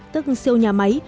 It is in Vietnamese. tức siêu nhà máy